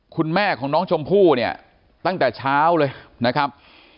คุณแม่ของน้องชมพู่เนี่ยตั้งแต่เช้าเลยนะครับ